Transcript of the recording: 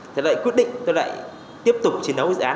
thế lại quyết định tôi lại tiếp tục chiến đấu với dự án